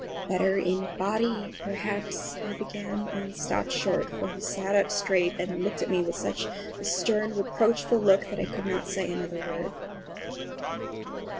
"Better in body perhaps"—I began, and stopped short, for he sat up straight and looked at me with such a stern, reproachful look that I could not say another word.